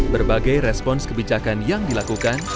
berbagai respons kebijakan yang dilakukan